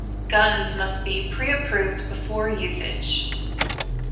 Guns must be pre-approved before usage.